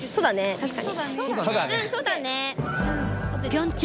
確かに。